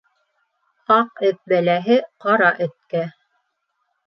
Аҡ эт бәләһе ҡара эткә.